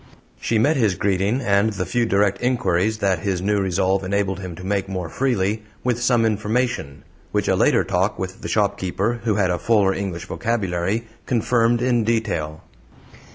She met his greeting, and the few direct inquiries that his new resolve enabled him to make more freely, with some information which a later talk with the shopkeeper, who had a fuller English vocabulary, confirmed in detail.